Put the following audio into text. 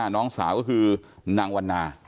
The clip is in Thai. น้องสาวก็คือนางวันนา